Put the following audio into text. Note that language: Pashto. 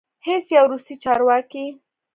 هیڅ یو روسي چارواکی